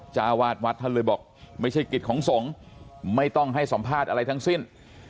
จ้าวาดวัดท่านเลยบอกไม่ใช่กิจของสงฆ์ไม่ต้องให้สัมภาษณ์อะไรทั้งสิ้น